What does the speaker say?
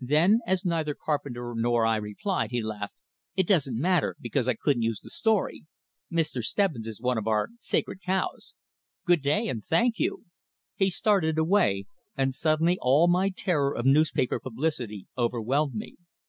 Then, as neither Carpenter nor I replied, he laughed. "It doesn't matter, because I couldn't use the story. Mr. Stebbins is one of our 'sacred cows.' Good day, and thank you." He started away; and suddenly all my terror of newspaper publicity overwhelmed me.